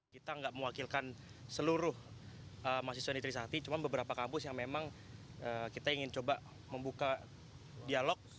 kita nggak mewakilkan seluruh mahasiswa di trisakti cuma beberapa kampus yang memang kita ingin coba membuka dialog